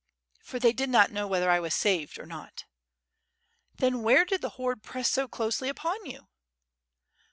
"For they did not know whether 1 was saved or not." "Then where did the horde press so closely upon you?"